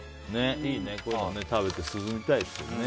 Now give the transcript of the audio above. こういうの食べて涼みたいですね。